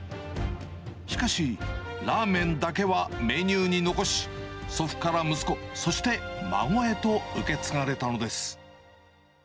しかし、ラーメンだけはメニューに残し、祖父から息子、そして孫へと受け継がれたのです。